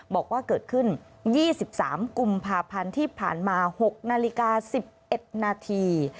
บอกว่าเกิดขึ้น๒๓กุมภาพันธ์ที่ผ่านมา๖นาฬิกา๑๑นาที